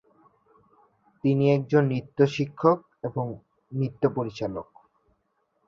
তিনি একজন নৃত্য শিক্ষক এবং নৃত্য পরিচালক।